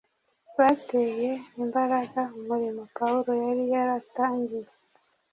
bateye imbaraga umurimo Pawulo yari yaratangiye;